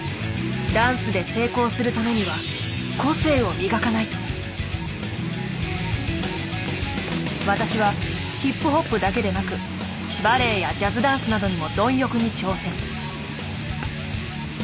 ダンスで成功するためには私はヒップホップだけでなくバレエやジャズダンスなどにも貪欲に挑戦。